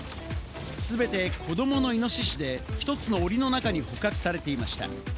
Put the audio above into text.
全て子どものイノシシで１つのおりの中に捕獲されていました。